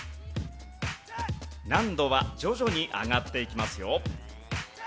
難度は徐々に上がっていきますよ。